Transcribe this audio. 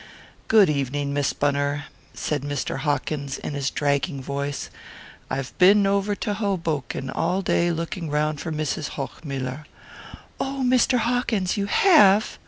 "Good evening, Miss Bunner," said Mr. Hawkins in his dragging voice. "I've been over to Hoboken all day looking round for Mrs. Hochmuller." "Oh, Mr. Hawkins you HAVE?"